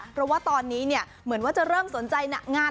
เพราะว่าตอนนี้เหมือนว่าจะเริ่มสนใจไหน่ะงาน